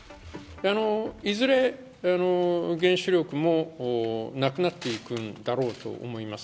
いずれ、原子力もなくなっていくんだろうと思います。